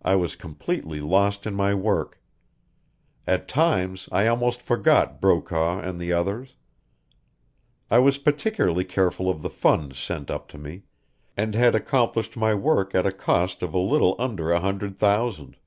I was completely lost in my work. At times I almost forgot Brokaw and the others. I was particularly careful of the funds sent up to me, and had accomplished my work at a cost of a little under a hundred thousand.